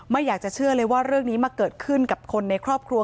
ไม่อยากจะเชื่อเลยว่าเรื่องนี้มาเกิดขึ้นกับคนในครอบครัว